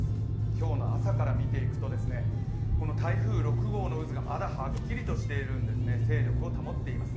今日の朝から見ていくと、この台風６号の渦がまだはっきりとしているんです、勢力を保っています。